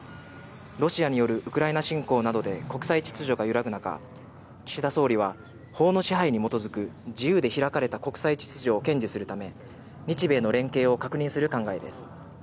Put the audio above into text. ロシアによるウクライナ侵攻などで国際秩序が揺らぐ中、岸田総理は法の支配に基づく自由で開かれた国際秩序を堅持するため、日米の連携を確認する考えです。